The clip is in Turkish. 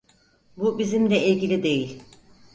Bu bizimle ilgili değil.